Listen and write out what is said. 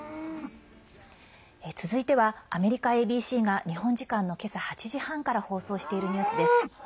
続いては、アメリカＡＢＣが日本時間の今朝８時半から放送しているニュースです。